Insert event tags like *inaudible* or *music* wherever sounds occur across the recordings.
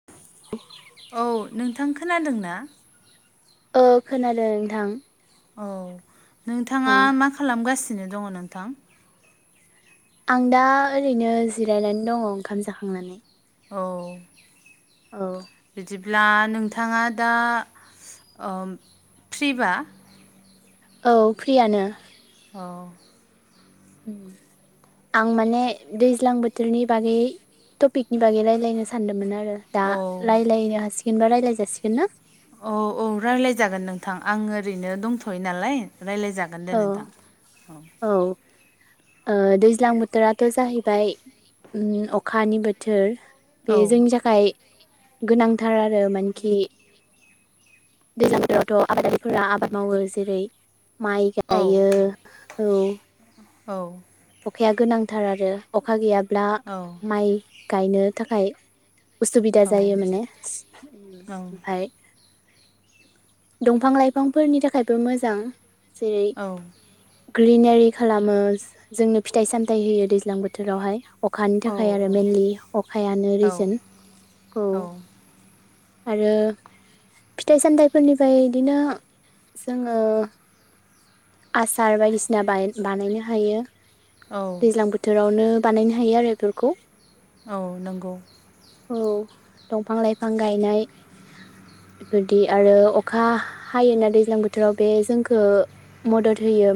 *inaudible* औ नोंथां खोनादोंना? ओ खोनादो नोंथां। औ नोंथाङा मा खालामगासिनो दङ नोंथां? आं दा ओरैनो जिरायनानै दङ' ओंखाम जाखांनानै। औ औ बिदिब्ला नोंथाङा दा ओम फ्रिबा? औ फ्रियानो। औ *inaudible* आं माने दैज्लां बोथोरनि बागै टपिकनि बागै रायलायनो सानदोंमोन आरो। दा लायलायनो हासिगोन बा रायलाय जासिगोन ना? औ औ रायलाय जागोन नोंथां आं ओरैनो दंथ'यो नालाय रायलाय जाग गोन दे नोंथां। औ औ ओ दैज्लां बोथोराथ' जाहैबाय उम अखानि बोथोर। बे जोंनि जाखाय गोनांथार आरो मानेखि। *unintelligible* आबाद मावो जेरै माइ गायो औ। औ अखाया गोनांथार आरो अखा गैयाब्ला औ माइ गायनो थाखाय उसुबिदा जायो माने ओमफाय दंफां लाइफांफोरनि थाखायबो मोजां जेरै ग्रिनारि खालामो जोंनो फिथाइ सामथायाइ होयो दैज्लां बोथोरावहाय। अखानि थाखाय आरो मेइनलि अखायानो रिजोन औ। आरो फिथाइ सामथाइफोरनिफ्राय बिदिनो जोङो। आसार बायदिसिना बानायनो हायो दैज्लां बो थोरावनो बानायनो हायो आरो बेफोरखौ। औ नंगौ औ दंफां लाइफां गायनाय। बेफोरदि आरो अखा हायोना दैज्लां बोथोराव बे जोंखौ मदद होयो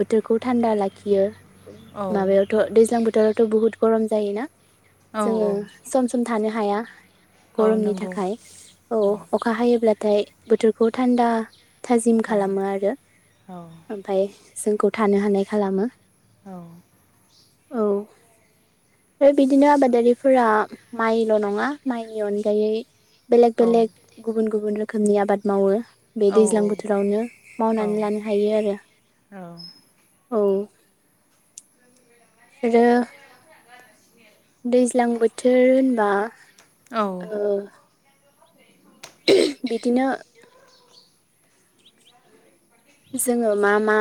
बोथोरखौ थान्दा लाखियो माबायाव थ दैज्लां बोथोरावथ' बुहुत गरम जायोना जोङो सम सम थानो हाया। गरमनि थाखाय औ अखा हायोब्लाथाय बोथोरखौ थान्दा थाजिम खालामो आरो। ओमफाय जोंखौ थानो हानाय खालामो औ। ओमफाय बिदिनो आबादारिफोरा माइल' नङा माइनि अनगायै। बेलेग बेलेग। गुबुन गुबुन रोखोमनि आबाद मावो बे दैज्लां बोथोरावनो मावनानै लानो हायो आरो औ। आरोे। दैज्लां बोथोर होनबा ओ। बिदिनो। जोङो मा मा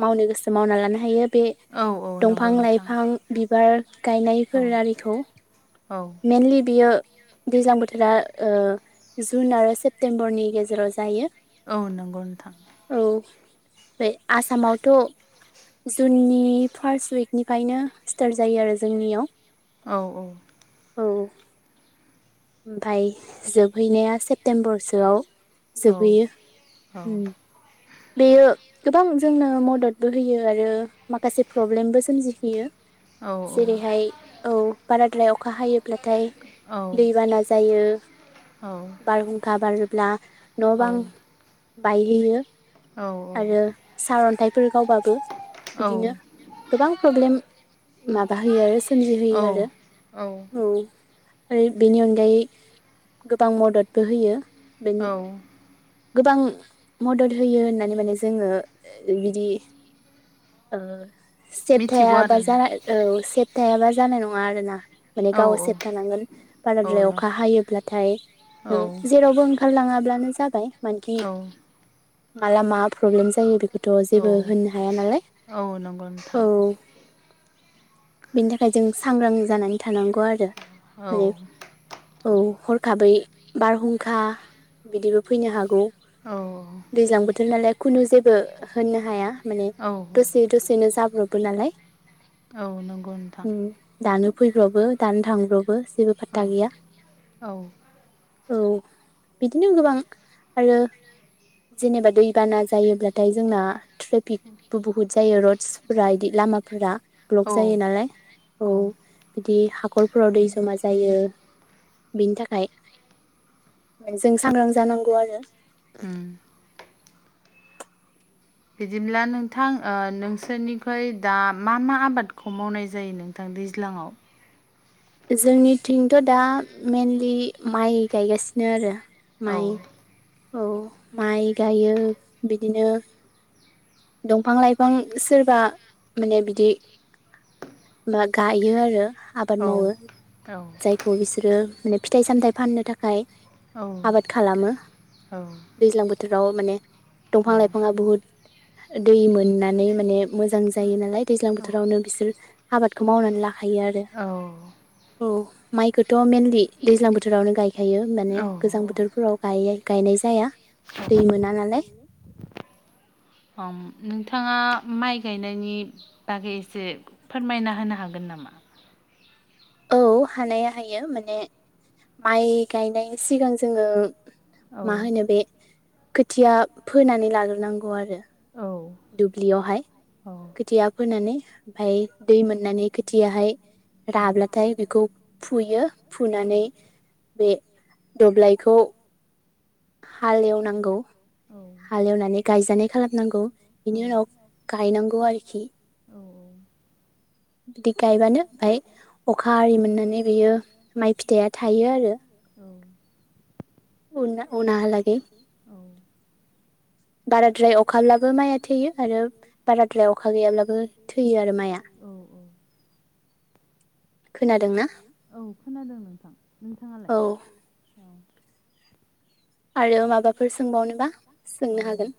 मावनो गोसो मावना लानो हायो बे। दंफां लाइफां बिबार गायनायफोर आरिखौ। मेेनलि बियो। दैज्लां बोथोरा ओ जुन आरो सेप्तेम्बरनि गेजेराव जायो। औ नोंगौ नोंथां। औ बे आसामावथ'। जुननि फार्स्ट उइकनिफ्रायनो स्टार्ट जायो आरो जोंनियाव। औ ओमफाय जोबहैनाया सेप्तेम्बरसोआव जोबहैयो। औ। बेयो। गोबां जोंनो मददबो होयो आरो माखासे प्रब्लेमबो सोमजिहोयो। जेरै हाय औ बाराद्राय अखा हायोब्लाथाय। दैबाना जायो। बारहुंखाा बारोब्ला न' बां बायहैयो। आरो सारअन्थाइफोर गावबाबो बिदिनो गोबां प्रब्लेम माबा होयो आरो सोमजिहोयो आरो। औ आरो बेनि अनगायै। गोबां मददबो होयो बे गोबां मदद। होयो होननानै माने जोङो बिदि ओ। सेबथायाबा जानाय औ सेबथायाबा जानाय नङा आरोना। माने गाव सेब थानांगोन बाराद्राय अखा हायोब्लाथाय नों जेरावबो। ओंखारलाङाब्लानो जाबाय मानखि माला मा प्रब्लेम जायो बेखौथ' जेबो होननो हाया नालाय। औ नंगौ नोंथां। बेनि थाखाय जों सांग्रां जानानै थानांगौ आरो माने औ हरखाबै बारहुंखा बिदिबो फैनो हागौ। औ *unintelligible* दैज्लां बोथोर नालाय खुनु जेबो होननो हाया माने दसे दसेनो जाब्रबो नालाय औ नंगौ नों उम दानो फैब्रबो दानो थांब्रबो जेबो फाथता गैया औ औ बिदिनो गोबां आरो जेनेबा दै बाना जायोब्लाथाय जोंना ट्रेफिकबो बुहुत जायो रडसफोरा इदि लामाफोरा ब्लक जायो नालाय। औ बिदि हाखरफोराव दै जमा जायो। बिनि थाखाय जों सांग्रां जानांगौ आरो। बिदिब्ला नोंथां ओ नोंसोरनिफ्राय दा मा-मा आबादखौ मावनाय जायो नों थां दैज्लांङाव जोंनिथिंथ' दा मेनलि माइ गायगासिनो आरो। माइ औ माइ गायो बिदिनो दंफां-लाइफां सोरबा माने बिदि मा गायो आरो आबाद मावो। जायखौ बिसोरो माने फिथाइ-सामथाइ फाननो थाखाय आबाद खालामो। दैज्लां बोथोराव माने दंफां-लाइफाङा बुहुत दै मोननानै माने मोजां जायो नालाय दैज्लां बोथोरावनो बिसोर आबादखौ मावनानै लाखायो आरो औ। माइखौथ' मेनलि दैज्लां बोथोरावनो गायखायो माने गोजां बोथोरफोराव गाय गायनाय जाया। दै मोना नालाय। अम नोंथाङा माइ गायनायनि बागै एसे फोरमायना होनो हागोन नामा? औ हानाया हायो माने माइ गायनायनि सिगां जोङो मा होनो बे खोथिया फोनानै लाग्रोनांगौ आरो। औ दुब्लियावहाय खोथिया फोनानै ओमफाय दै मोननानै खोथियाहाय राब्लाथाय बेखौ फुयो फुनानै बे दब्लायखौ हालेवनांगौ। हालेवनानै गायजानाय खालामनांगौ बेनि उनाव गायनांगौ आरोखि। बिदि गायबानो ओमाय अखा आरि मोननानै बियो माइ फिथाइया थायो आरो। औ उना उनाहालागै। बाराद्राय अखालाबो माइया थैयो आरो बाराद्राय अखा गैयाब्लाबो थैयो आरो माइआ। औ औ खोनादोंना? खोनादों नोंथां नोंथाङालाय औ आरो माबाफोर सोंबावनोबा सोंनो हागोन।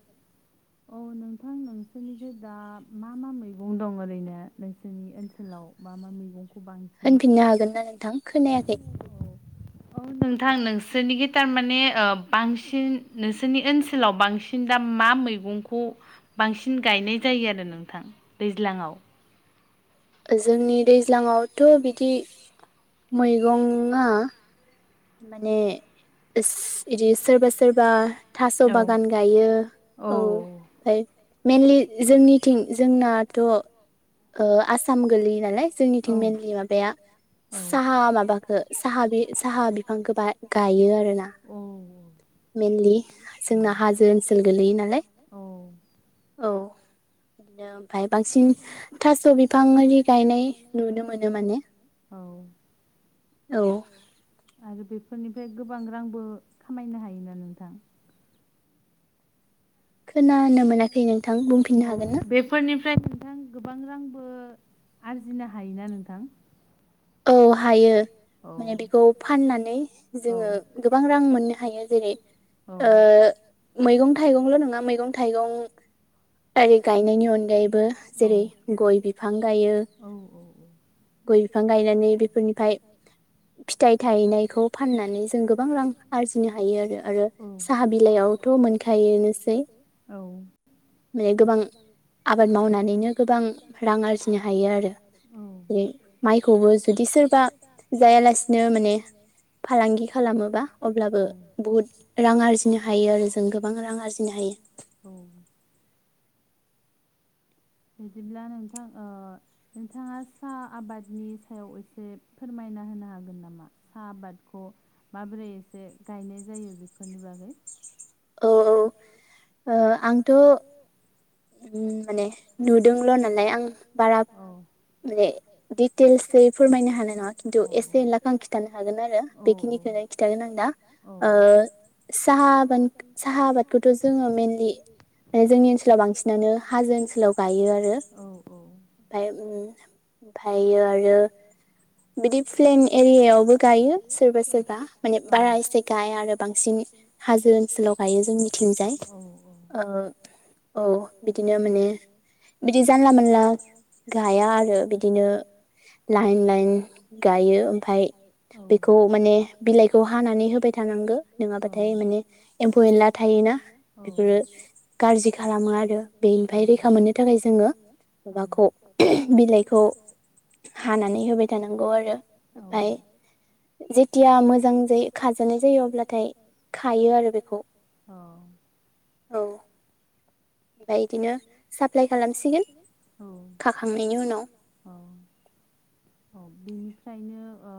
औ नोंथां नोंसोरनिखै दा मा-मा मैगं दं ओरैनो नोंसोरनि ओनसोलाव मा-मा मैगंखौ बां होनफिननो हागोन ना नोंथां खोनायाखै। औ नोंथां नोंसोरनिखि थारमाने ओ बांसिन नोंसोरनि ओनसोलाव बांसिन। दा मा मैगंखौ बांसिन गायनाय जायो आरो नोंथां दैज्लाङाव। जोंनि दैज्लाङावथ' बिदि मैगंआ माने इस इदि सोरबा-सोरबा। थास' बागान गायो औ। ओमफाय मइेनलि जोंनिथिं जोंनाथ' ओ आसाम गोलैयो नालाय। जोंनिथिं मेनलि माबाया साहा माबाखो साहा बे साहा‌ बि बिफांखौ गायो आरो ना मेनलि जोंना हाजो ओनसोल गोलैयो नालाय। औ बिदिनो। ओफाय बांसिन थास' बिफां आरि गायनाय नुनो मोनो माने। औ। औ। आरो बेफोरनिफ्राय गोबां रांबो खामायनो हायोना नोंथां? औ बेफ फोरनिफ्राय नोंथां गोबां रांबो आरजिनो हायोना नोंथां? औ हायो। माने बेखौ फाननानै जोङो गोबां रां मोननो हायो जेरै ओ मैगं थाइगंल' नङा मैगं थाइगं ओरि गायनायनि अनगायैबो जेरै गय बिफां गायो। गय बिफां गायनानै बेफोरनिफ्राय फिथाइ थायनायखौ फाननानै जों गोबां रां आरजिनो हायो आरो साहा बिलाइआवथ' मोनखायोनोसै। औ माने गोबां आबाद मावनानैनो गोबां रां आरजिनो हायो आरो जेरै माइखौबो जुदि सोरबा जायालासिनो माने फालांगि खालामोबा अब्लाबो बुहुद रां आरजिनो हायो आरो जों गोबां रां आरजिनो हायो। औ बिदिब्ला नोंथां ओ नोंथाङा सा आबादनि सायाव एसे फोरमायना होनो हागोन नामा? साहा आबादखौ माबोरै एसे गायनाय जायो बेफोरनि बागै औ औ ओ आंथ' उम माने नुदोंल' नालाय आं बारा माने दिटेल्सै फोरमायनो हानाय नङा खिन्थु एसे एनला आं खिथानो हागोन आरो बेखिनिखौनो खिथागोन आं दा ओ साहा आबान साहा आबादखौथ' जोङो मइेनलि माने जोंनि ओनसोलाव बांसिन हाजो ओनसोलाव गायो आरो उमफाय उमफ्रायो आरो बिदि प्लेन एरियाायावबो गायो सोरबा सोरबा माने बारा एसे गाया आरो बांसिन हाजो ओनसोलाव गायो जोंनिथिंजाय ओ औ बिदिनो माने बिदि जानला मानला गाया आरो बिदिनो लाइन लाइन गायो ओमफाय बेखौ माने बिलाइखौ हानानै होबाय थानांगौ नङाबाथाय माने एम्फौ एनला थायोना बेफोरो गाज्रि खालामो आरो बेनिफ्राय रैखा मोननो थाखाय जोङो माबाखौ बिलाइखौ हानानै होबाय गौ आरो ओमफाय जेथिया मोजां जायो खाजानाय जायो अब्लाथाय खायो आरो बेखौ। अह। औ। ओमफाय इदिनो साप्लाय खालामसिगोन खाखांनायनि उनाव। औ बेनिफ्रायनो ओ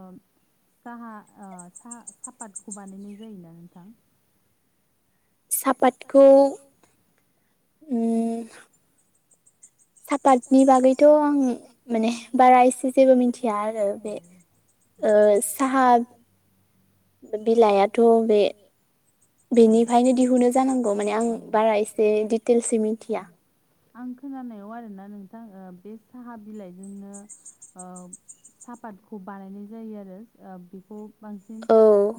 साहा ओ साहा सापादखौ बानायनाय जायोना नोंथां। साहापातखौ उम पार्टनि बागैथ' आं माने बारा एसे जेबो मिथिया आरो बे ओ साहा बिलाइयाथ' बे बेनिफायनो दिहुनो जानांगौ माने आं बारा एसे दिटेलसयै मिथिया। आं खोनानायाव आरोना नोंथां ओ बे साहा बिलाइजोंनो ओ साहापातखौ बानायनाय जायो आरो ओ बेखौ बांसिन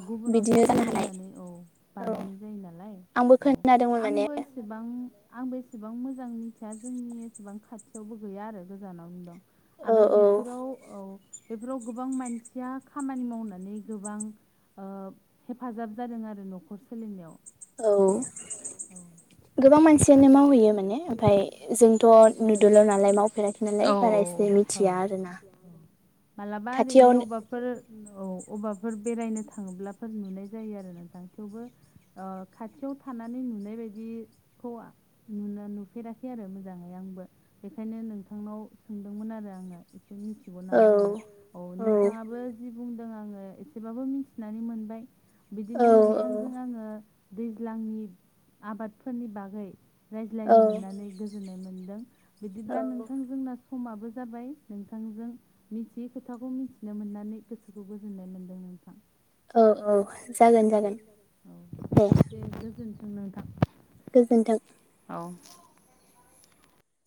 गुबुनाव साप्लाइ होनानै औ बानायनाय जायो नालाय औ आंबो एसेबां आं बेसेबां मोजां मिथिया जोंनि एसेबां खाथियावबो गैया आरो गोजानावनो दं। आरो बेफोराव औ बेफोराव गोबां मानसिया खामानि मावनानै गोबां ओ हेफाजाब जादों आरो नखर सोलिनायाव। औ गोबां मानसियानो मावहैयो माने ओमफाय जों थ' नुदोल' नालाय मावफेराखै ना औ औ औ मालाबा ओरैनो अबेबा फोर औ अबाफोर बेरायनो थाङोब्लाफोर नुनाय जायो आरो नोंथां थेवबो। ओ खाथियाव थानानै नुनाय बायदिखौ नुना नुफेराखै आरो मोजाङै आंबो बेखायनो नों नोंथांनाव सोंदोंमोन आरो आङो एसे मिथिगौ नामा होननानै औ नोंथाङाबो जि बुंदों आङो एसेबाबो मिथिनानै मोनबाय। बिदिनो नोंथांजों आङो दैज्लांनि आबादफोरनि बागै रायज्लायनो मोननानै गोजोननाय मोनदों बिदिब्ला नों जोंना समाबो जाबाय नोंथांजों मिथियै खोथाखौ मिथिनो मोननानै गोसोखौ गोजोननाय मोन्दों नोंथां। औ दे गोजोनथों नोंथां। गोजोन्थों। औ।